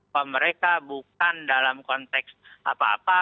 bahwa mereka bukan dalam konteks apa apa